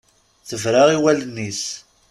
Tebra i wallen-is.